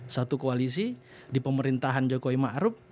satu koalisi di pemerintahan jokowi ma ruf